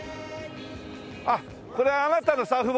あっこれあなたのサーフボード？